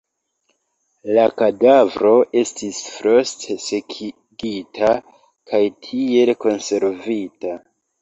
La kadavro estis frost-sekigita kaj tiel konservita.